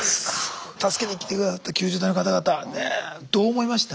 助けに来て下さった救助隊の方々ねどう思いました？